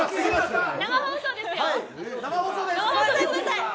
生放送ですよ。